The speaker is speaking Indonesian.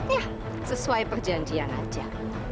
ya sesuai perjanjian aja